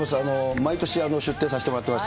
毎年出展させてもらってます